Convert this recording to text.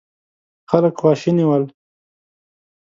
خلک خواشيني ول.